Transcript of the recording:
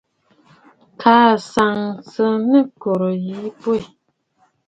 Kaa nsəə sɨ nɨ kɔ̀rə̀ yì bwɛ.